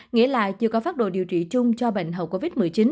nghĩa là chưa có phác đồ điều trị chung cho bệnh hậu covid một mươi chín